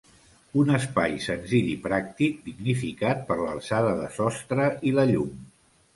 Un espai senzill i pràctic, dignificat per l'alçada de sostre i la llum.